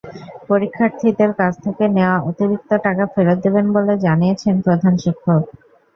পরীক্ষার্থীদের কাছ থেকে নেওয়া অতিরিক্ত টাকা ফেরত দেবেন বলে জানিয়েছেন প্রধান শিক্ষক।